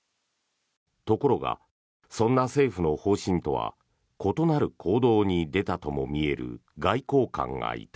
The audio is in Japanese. ところが、そんな政府の方針とは異なる行動に出たとも見える外交官がいた。